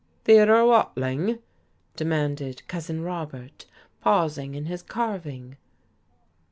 "Theodore Watling?" demanded Cousin Robert, pausing in his carving.